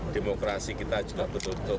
demokrasi kita juga betul betul